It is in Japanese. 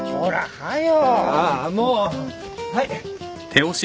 はい。